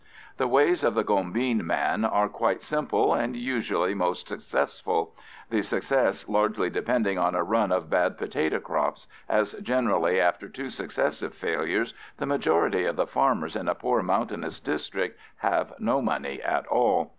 The ways of the gombeen man are quite simple and usually most successful, the success largely depending on a run of bad potato crops, as generally after two successive failures the majority of the farmers in a poor mountainous district have no money at all.